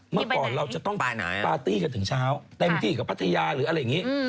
เมื่อก่อนเราจะต้องปาร์ตี้กันถึงเช้าเต็มที่กับพัทยาหรืออะไรอย่างนี้